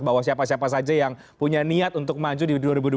bahwa siapa siapa saja yang punya niat untuk maju di dua ribu dua puluh